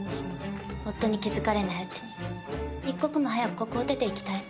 夫に気付かれないうちに一刻も早くここを出ていきたいの。